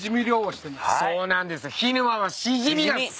そうなんです。